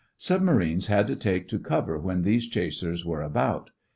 Submarines had to take to cover when these chasers were about.